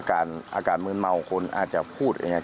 อาการมืนเมาคนอาจจะพูดอย่างนี้